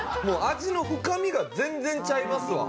味の深みが全然ちゃいますわ。